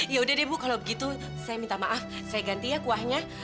ya udah deh bu kalau begitu saya minta maaf saya ganti ya kuahnya